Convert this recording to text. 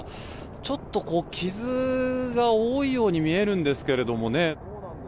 ちょっと、傷が多いように見えるんですけどね。